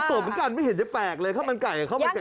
ก็ต้มกันไม่เห็นจะแปลกเลยข้าวมันไก่กับข้าวมันไก่ข้อ